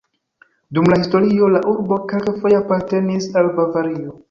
Dum la historio la urbo kelkfoje apartenis al Bavario.